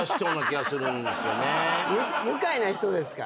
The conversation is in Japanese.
愉快な人ですから。